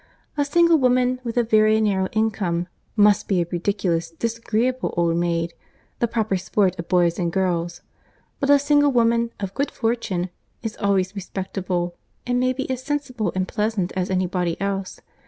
A single woman, with a very narrow income, must be a ridiculous, disagreeable old maid! the proper sport of boys and girls, but a single woman, of good fortune, is always respectable, and may be as sensible and pleasant as any body else.